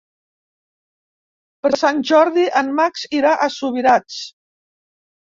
Per Sant Jordi en Max irà a Subirats.